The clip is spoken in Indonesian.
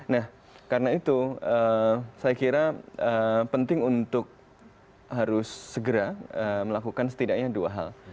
nah karena itu saya kira penting untuk harus segera melakukan setidaknya dua hal